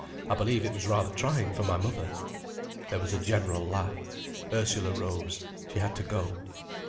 I believe it was rather trying for my mother." There was a general laugh. Ursula rose. She had to go.